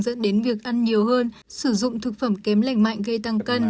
dẫn đến việc ăn nhiều hơn sử dụng thực phẩm kém lành mạnh gây tăng cân